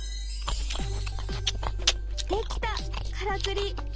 出来たからくり！